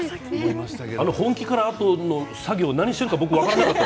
本気からあとの作業何をしているか分からなかった。